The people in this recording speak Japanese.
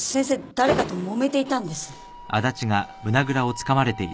誰かともめていたんです。